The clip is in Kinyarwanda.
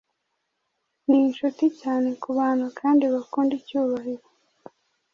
ninshuti cyane kubantu kandi bakunda icyubahiro